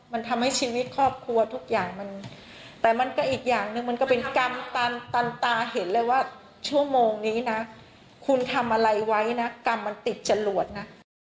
มันทำให้ชีวิตครอบครัวทุกอย่างมันแต่มันก็อีกอย่างหนึ่งมันก็เป็นกรรมตันตาเห็นเลยว่าชั่วโมงนี้นะคุณทำอะไรไว้นะกรรมมันติดจรวดนะ